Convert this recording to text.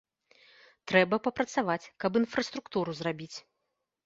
Трэба папрацаваць, каб інфраструктуру зрабіць.